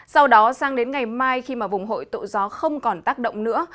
sau đó sang đến ngày mai khi vùng hội tụ gió không còn tác động nữa